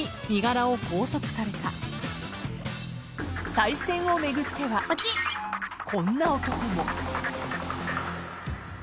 ［さい銭を巡ってはこんな男も］